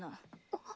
あっ。